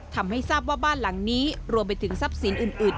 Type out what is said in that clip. ทำให้ทราบว่าบ้านหลังนี้รวมไปถึงทรัพย์สินอื่น